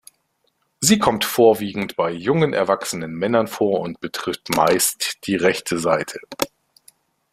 Sie kommt vorwiegend bei jungen erwachsenen Männern vor und betrifft meist die rechte Seite.